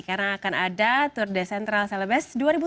karena akan ada tour de centrale celebes dua ribu tujuh belas